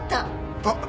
あっ。